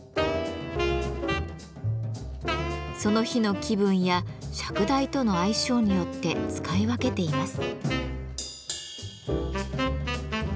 その日の気分や釈台との相性によって使い分けています。